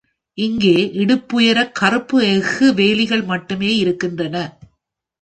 இங்கே இடுப்புயரக் கருப்பு எஃகு வேலிகள் மட்டுமே இருக்கின்றன.